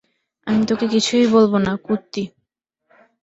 আমি তোকে কিছুই বলবো না, কুত্তি।